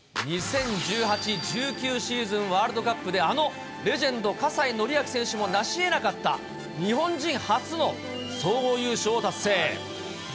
２０１８ー１９シーズン、ワールドカップで、あのレジェンド、葛西紀明選手もなしえなかった、日本人初の総合優勝を達成。